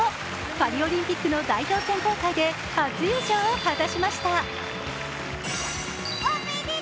パリオリンピックの代表選考会で初優勝を果たしました。